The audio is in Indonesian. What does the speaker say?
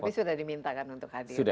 tapi sudah dimintakan untuk hadir ya